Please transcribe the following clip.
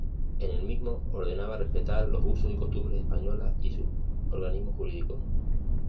En el mismo ordenaba respetar los usos y costumbres españolas y sus organismos jurídicos.